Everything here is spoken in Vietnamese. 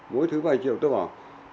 mỗi thứ vài triệu tôi bảo